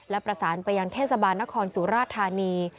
และประสานไปยังเทศบาลนครสุราธานี